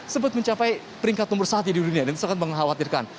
sempat mencapai peringkat nomor satu di dunia dan sangat mengkhawatirkan